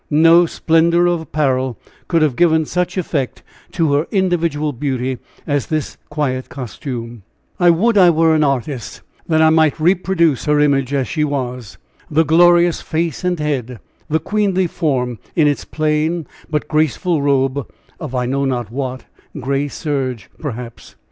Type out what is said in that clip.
No splendor of apparel could have given such effect to her individual beauty as this quiet costume; I would I were an artist that I might reproduce her image as she was the glorious face and head, the queenly form, in its plain but graceful robe of I know not what gray serge, perhaps.